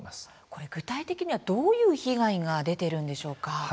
これ具体的にはどういう被害が出ているんでしょうか。